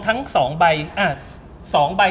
ทั้งสองใบ